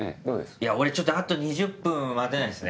いや俺ちょっとあと２０分待てないですね。